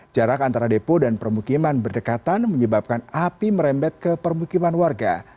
jarak antara depo dan permukiman berdekatan menyebabkan api merembet ke permukiman warga